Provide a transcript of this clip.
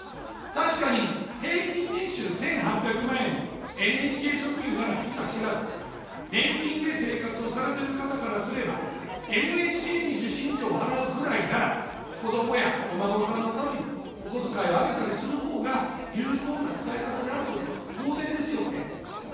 確かに平均年収１８００万円のＮＨＫ職員ならいざしらず、年金で生活をされてる方からすれば、ＮＨＫに受信料を払うぐらいなら、子どもやお孫さんのためにお小遣いをあげたりするほうが有効な使い方であることは当然ですよね。